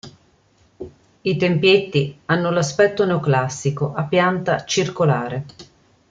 I tempietti hanno l'aspetto neoclassico a pianta circolare.